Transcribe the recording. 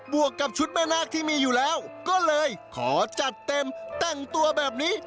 วกกับชุดแม่นาคที่มีอยู่แล้วก็เลยขอจัดเต็มแต่งตัวแบบนี้